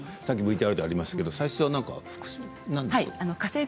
さっきＶＴＲでありましたけど最初はなんか、服飾？